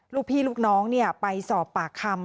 ลูกพี่ลูกน้องไปสอบปากคำ